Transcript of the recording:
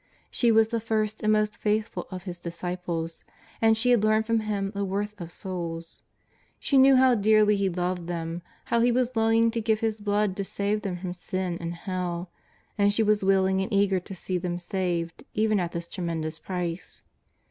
She was the first and most faithful of His disciples, and she had learned from Him the worth of souls. She knew how dearly He loved them, how He was longing to give His blood to save them from sin and hell, and she was willing and eager to see them saved even at this tremendous price.